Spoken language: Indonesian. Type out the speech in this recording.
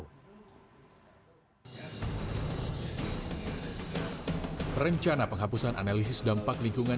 koalisi masyarakat sipil menolak rencana penghapusan analisis dampak lingkungan